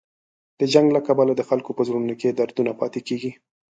د جنګ له کبله د خلکو په زړونو کې دردونه پاتې کېږي.